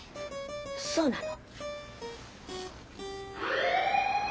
そうなの。